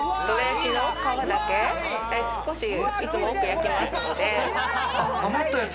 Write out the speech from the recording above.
皮だけ、どら焼きの皮だけ少しいつも多く焼きますので。